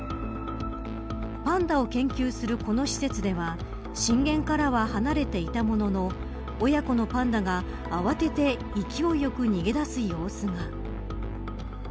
パンダを研究するこの施設では震源からは離れていたものの親子のパンダが、慌てて勢いよく逃げ出す様子が。